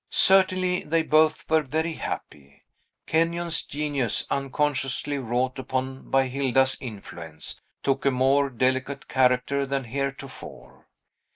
Certainly, they both were very happy. Kenyon's genius, unconsciously wrought upon by Hilda's influence, took a more delicate character than heretofore.